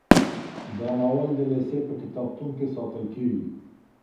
دا ناول د لېسې په کتابتون کي ساتل کیږي.